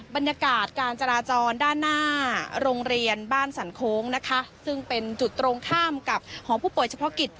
บรรยากาศการจราจรด้านหน้าโรงเรียนบ้านสันโค้งนะคะซึ่งเป็นจุดตรงข้ามกับหอผู้ป่วยเฉพาะกิจ